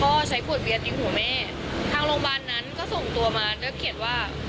ใช้ขวดเบียนยิงหัวแม่ทางโรงพยาบาลนั้นก็ส่งตัวมาด้วยเขียนว่า